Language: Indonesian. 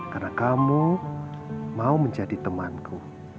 karena kamu mau menjadi temanku